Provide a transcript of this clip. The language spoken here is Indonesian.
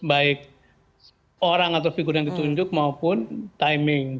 baik orang atau figur yang ditunjuk maupun timing